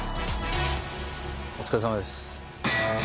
お疲れさまです。